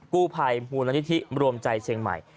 กู้ภัยภูมิลันทิศรวมใจเชียงใหม่